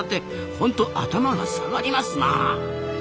ホント頭が下がりますなあ！